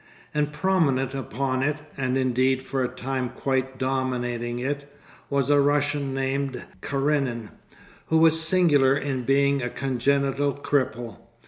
And prominent upon it, and indeed for a time quite dominating it, was a Russian named Karenin, who was singular in being a congenital cripple.